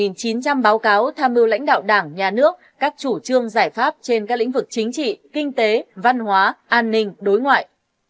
hơn một chín trăm linh báo cáo tham mưu lãnh đạo đảng nhà nước các chủ trương giải pháp trên các lĩnh vực chính trị kinh tế văn hóa an ninh đối ngoại